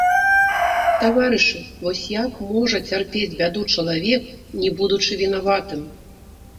Таварышы, вось як можа цярпець бяду чалавек, не будучы вінаватым.